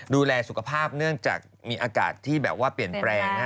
ดูแลสุขภาพเนื่องจากมีอากาศที่แบบว่าเปลี่ยนแปลงนะฮะ